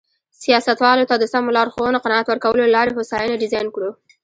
سیاستوالو ته د سمو لارښوونو قناعت ورکولو له لارې هوساینه ډیزاین کړو.